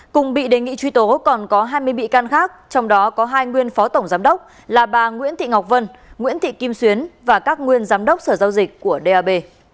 cùng bị đề nghị truy tố còn có hai mươi bị can khác trong đó có hai nguyên phó tổng giám đốc là bà nguyễn thị ngọc vân nguyễn thị kim xuyến và các nguyên giám đốc sở giao dịch của dab